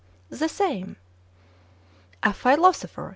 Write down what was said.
103 "The same." "A philosopher